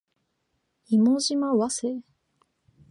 妹島和世